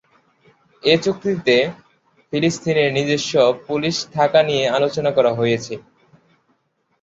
এ চুক্তিতে ফিলিস্তিনের নিজস্ব পুলিশ থাকা নিয়ে আলোচনা করা হয়েছে।